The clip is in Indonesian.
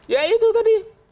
ya itu tadi